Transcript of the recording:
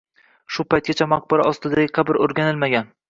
Shu paytgacha maqbara ostidagi qabr o’rganilmagan.